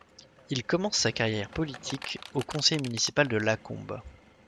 Il commence sa carrière politique au conseil municipal de Lacombe.